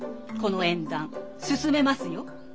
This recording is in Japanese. この縁談進めますよ。